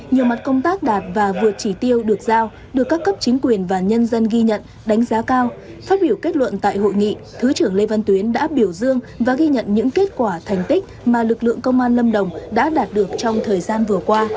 nhiều mặt công tác đạt và vượt chỉ tiêu được giao được các cấp chính quyền và nhân dân ghi nhận đánh giá cao phát biểu kết luận tại hội nghị thứ trưởng lê văn tuyến đã biểu dương và ghi nhận những kết quả thành tích mà lực lượng công an lâm đồng đã đạt được trong thời gian vừa qua